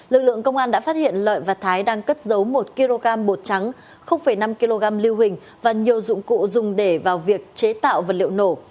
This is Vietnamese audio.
lực lượng công an đã phát hiện lợi và thái đang cất giấu một kg bột trắng năm kg lưu hình và nhiều dụng cụ dùng để vào việc chế tạo vật liệu nổ